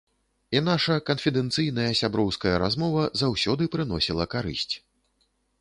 І наша канфідэнцыйная, сяброўская размова заўсёды прыносіла карысць.